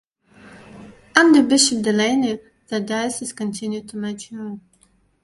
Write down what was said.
Under Bishop Delaney the diocese continued to mature.